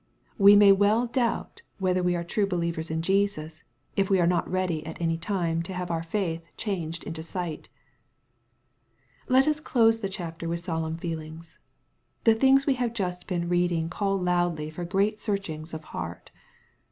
"( We may well doubt whether Wfe are true believers in Jesus, if we are not ready at any time to have our faith changed into sight.\ Let us close the chapter with solemn feelings. The things we have just been reading call loudly for great searchings of heart.